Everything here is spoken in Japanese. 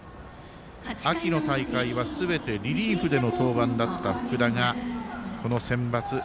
秋の大会はすべてリリーフでの登板だった福田がこのセンバツ。